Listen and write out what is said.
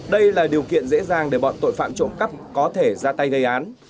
đây là điều kiện dễ dàng để bọn tội phạm trộm cắp có thể ra tay gây án